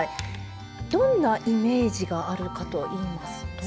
どんなイメージがあるかといいますと？